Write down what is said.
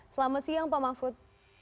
selamat siang pak mahfud